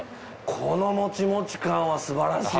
このモチモチ感はすばらしい。